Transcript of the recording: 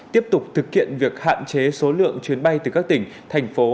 tiếp tục thực hiện việc hạn chế số lượng chuyến bay từ các tỉnh thành phố